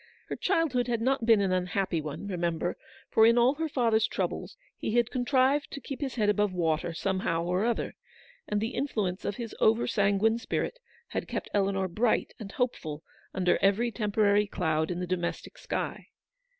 Her childhood had not been an unhappy one, remember ; for in all her father's troubles, he had contrived to keep his head above water, somehow or other, and the influence of his over sanguine spirit had kept Eleanor bright and hopeful under every temporary cloud in the domestic sky.